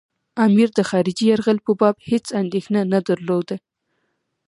امیر د خارجي یرغل په باب هېڅ اندېښنه نه درلوده.